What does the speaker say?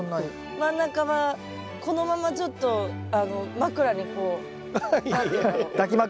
真ん中はこのままちょっと枕にこう何て言うんだろ。